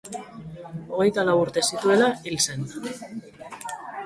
Hogeita lau urte zituela hil zen.